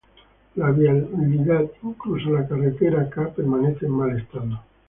La vialidad incluso la carretera K, permanece en mal estado.